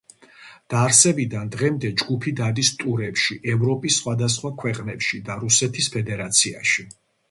დაარსებიდან დღემდე ჯგუფი დადის ტურებში ევროპის სხვადასხვა ქვეყნებში და რუსეთის ფედერაციაში.